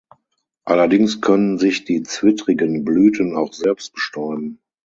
Allerdings können sich die zwittrigen Blüten auch selbst bestäuben.